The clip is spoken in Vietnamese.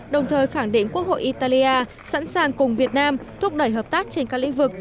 đồng thời khẳng định quốc hội italia sẵn sàng cùng việt nam thúc đẩy hợp tác trên các lĩnh vực